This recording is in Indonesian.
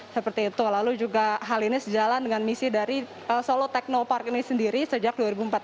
seperti itu lalu juga hal ini sejalan dengan misi dari solo technopark ini sendiri sejak dua ribu empat belas